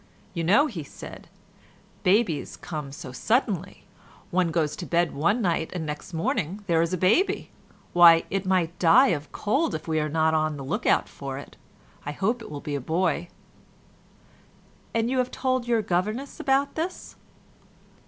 "You know," he said, "babies come so suddenly; one goes to bed one night and next morning there is a baby. Why, it might die of cold if we are not on the look out for it. I hope it will be a boy." "And you have told your governess about this?"